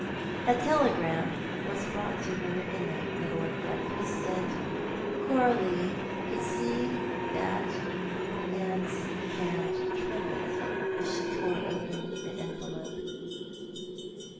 A telegram was brought to her in the middle of breakfast, and Coralie could see that her aunt's hand trembled as she tore open the envelope.